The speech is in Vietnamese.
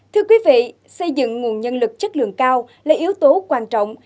thưa quý vị xây dựng nguồn nhân lực chất lượng cao là yếu tố quan trọng